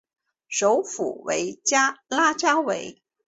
首府为拉加韦。